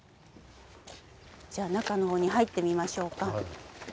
じゃあ中の方に入ってみましょうか。